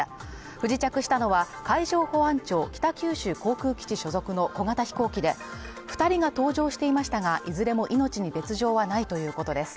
不時着したのは、海上保安庁、北九州航空基地所属の小型飛行機で２人が搭乗していましたが、いずれも命に別状はないということです。